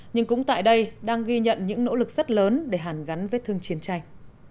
nhưng cũng tại đây đang ghi nhận những nỗ lực rất lớn để hàn gắn vết thương chiến tranh